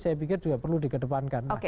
saya pikir juga perlu di kedepankan